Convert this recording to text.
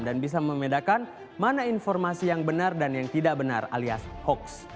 dan bisa membedakan mana informasi yang benar dan yang tidak benar alias hoaks